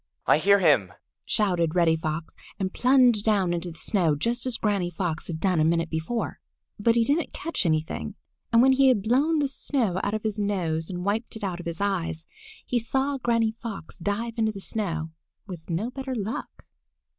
"I hear him!" shouted Reddy Fox, and plunged down into the snow just as Granny Fox had done a minute before. But he didn't catch anything, and when he had blown the snow out of his nose and wiped it out of his eyes, he saw Granny Fox dive into the snow with no better luck.